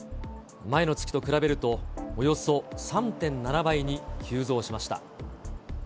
前の月と比べると、およそ３．７倍に急増しました。